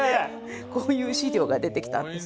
こういう資料が出てきたんです。